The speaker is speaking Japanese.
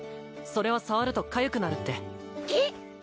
それは触るとかゆくなるってげっ！